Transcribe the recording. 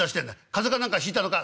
風邪か何かひいたのか？」。